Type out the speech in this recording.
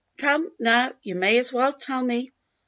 Come, now, you may as well tell me.